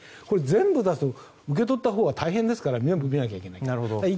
全部出すと受け取ったほうは大変ですから全部見なきゃいけないから。